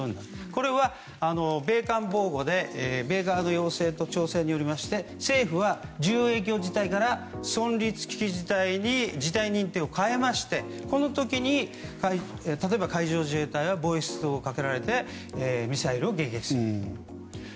これは米艦防護で米側の要請と調整により政府は重要影響事態から存立危機事態に事態認定を変えましてこの時に、例えば海上自衛隊は防衛出動をかけれてミサイルを迎撃する。